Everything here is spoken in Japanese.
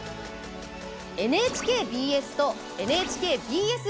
ＮＨＫＢＳとＮＨＫＢＳ